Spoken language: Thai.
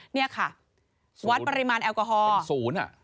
นี่ค่ะวัดปริมาณแอลกอฮอล